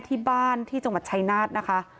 ที่บ้านที่จังหวัดชายนาสตร์นะคะ